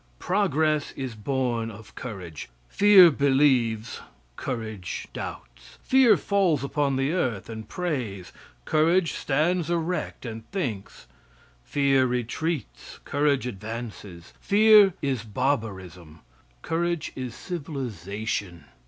Progress is born of courage. Fear believes, courage doubts. Fear falls upon the earth and prays; courage stands erect and thinks. Fear retreats; courage advances. Fear is barbarism, courage is civilization.